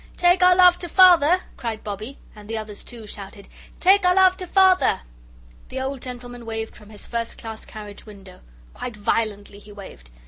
"Take our love to Father!" cried Bobbie. And the others, too, shouted: "Take our love to Father!" The old gentleman waved from his first class carriage window. Quite violently he waved.